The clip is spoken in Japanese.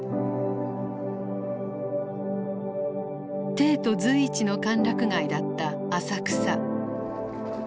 帝都随一の歓楽街だった浅草。